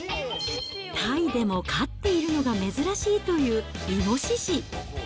タイでも飼っているのが珍しいというイノシシ。